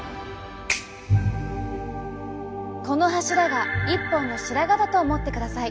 この柱が一本の白髪だと思ってください。